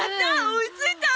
追いついた！